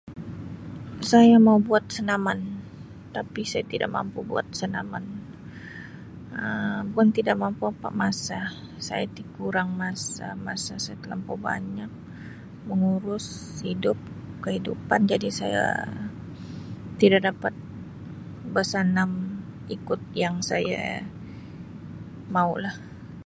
Saya mau buat senaman tapi saya tidak mampu buat senaman Um bukan tidak mampu apa, masa saya itu kurang masa, masa saya telampau banyak mengurus kehidupan jadi saya tidak dapat bersenam ikut yang saya mau lah.